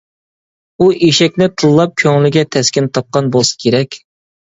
ئۇ ئېشەكنى تىللاپ كۆڭلىگە تەسكىن تاپقان بولسا كېرەك.